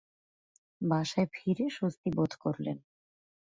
বাসায় ফিরে স্বস্তি বোধ করলেন।